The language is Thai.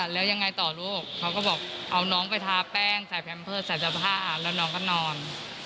แล้วยังไงต่อลูกเขาก็บอกเอาน้องไปทาแป้งใส่แพมเพิร์ตใส่เสื้อผ้าแล้วน้องก็นอน